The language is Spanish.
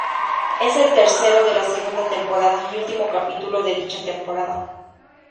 Es el tercero de la segunda temporada, y último capítulo de dicha temporada.